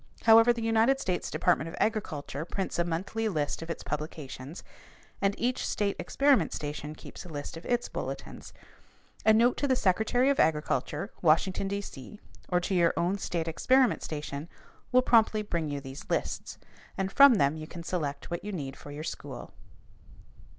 However, the United States Department of Agriculture prints a monthly list of its publications, and each state experiment station keeps a list of its bulletins. A note to the Secretary of Agriculture, Washington, D.C., or to your own state experiment station will promptly bring you these lists, and from them you can select what you need for your school.